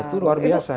itu luar biasa ya